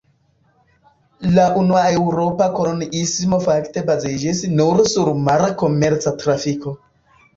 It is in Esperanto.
La unua eŭropa koloniismo fakte baziĝis nur sur mara komerca trafiko.